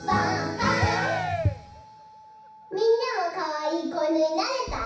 みんなもかわいいこいぬになれた？